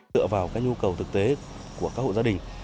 dựa vào các nhu cầu thực tế của các hộ gia đình